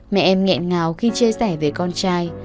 mẹ em nghẹn ngào khi chia sẻ về con trai